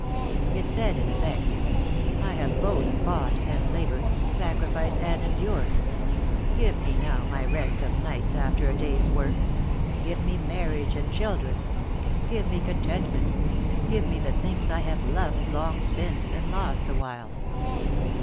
It said, in effect: "I have both fought and labored, sacrificed and endured. Give me now my rest of nights, after a day's work. Give me marriage and children. Give me contentment. Give me the things I have loved long since, and lost awhile."